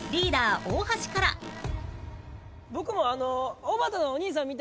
僕も。